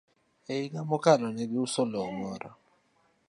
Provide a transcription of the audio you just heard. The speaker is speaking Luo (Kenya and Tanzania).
E higa mokalo, ne giuso lowo moro.